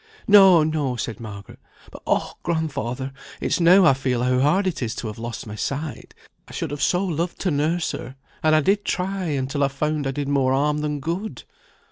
"No, no," said Margaret. "But, oh! grandfather; it's now I feel how hard it is to have lost my sight. I should have so loved to nurse her; and I did try, until I found I did more harm than good.